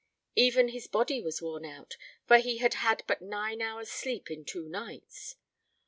Even his body was worn out, for he had had but nine hours' sleep in two nights.